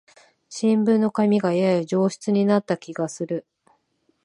新聞の紙がやや上質になった気がする